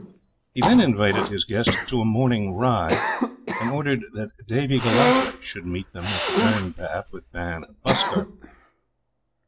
He then invited his guest to a morning ride, and ordered that Davie Gellatley should meet them at the dern path with Ban and Buscar.